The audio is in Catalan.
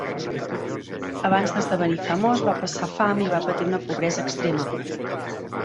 Abans d'esdevenir famós va passar fam i va patir una pobresa extrema.